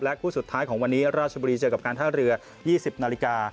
คู่สุดท้ายของวันนี้ราชบุรีเจอกับการท่าเรือ๒๐นาฬิกา